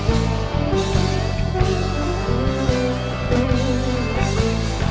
untuk kekayaan anda di hatimu